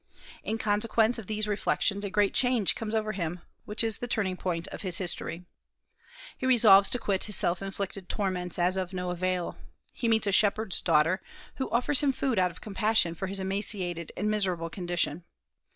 In consequence of these reflections a great change comes over him, which is the turning point of his history. He resolves to quit his self inflicted torments as of no avail. He meets a shepherd's daughter, who offers him food out of compassion for his emaciated and miserable condition.